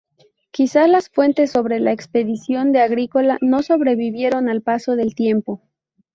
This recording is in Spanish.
Quizás las fuentes sobre la expedición de Agrícola no sobrevivieron al paso del tiempo.